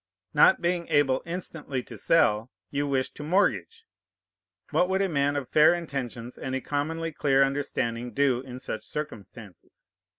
Not being able instantly to sell, you wished to mortgage. What would a man of fair intentions and a commonly clear understanding do in such circumstances?